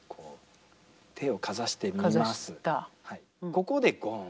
ここでゴン。